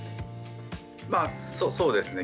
まあそうですね